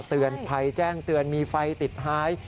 เตือนภัยแจ้งเตือนมีไฟติดท้าย